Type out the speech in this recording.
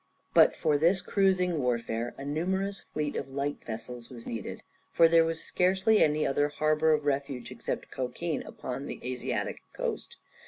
But for this cruising warfare a numerous fleet of light vessels was needed, for there was scarcely any other harbour of refuge except Cochin upon the Asiatic coast.